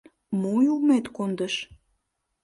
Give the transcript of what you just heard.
Мо юмет кондыш?